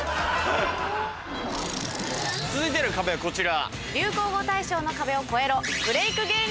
続いての壁はこちら。